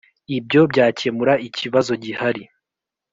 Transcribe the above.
ibyo byakemura ikibazo gihari.